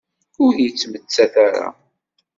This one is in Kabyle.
Ur yettmettat ara.